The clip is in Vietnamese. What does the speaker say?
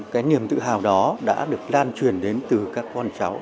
cái niềm tự hào đó đã được lan truyền đến từ các con cháu